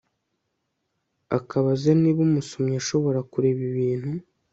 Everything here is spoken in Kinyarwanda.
akabaza niba umusomyi ashobora kureba ibintu